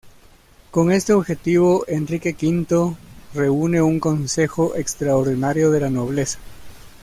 Con este objetivo Enrique V reúne un consejo extraordinario de la nobleza.